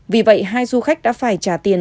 vì vậy hai du khách đã phải trả tiền